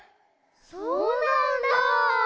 そうなんだ。